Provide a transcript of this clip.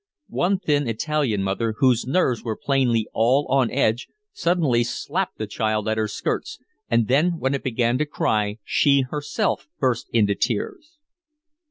One thin Italian mother, whose nerves were plainly all on edge, suddenly slapped the child at her skirts, and then when it began to cry she herself burst into tears.